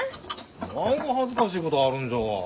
何が恥ずかしいことあるんじゃわい。